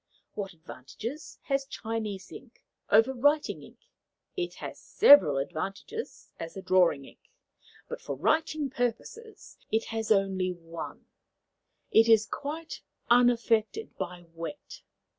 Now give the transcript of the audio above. What advantages has Chinese ink over writing ink? It has several advantages as a drawing ink, but for writing purposes it has only one: it is quite unaffected by wet.